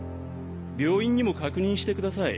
病院にも確認してください。